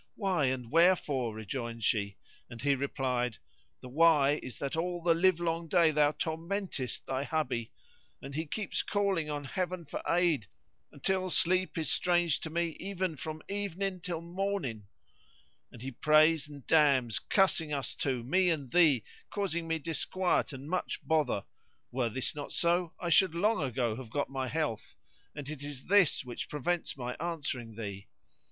"Why and wherefore?" rejoined she; and he replied "The why is that all the livelong day thou tormentest thy hubby; and he keeps calling on 'eaven for aid until sleep is strange to me even from evenin' till mawnin', and he prays and damns, cussing us two, me and thee, causing me disquiet and much bother: were this not so, I should long ago have got my health; and it is this which prevents my answering thee."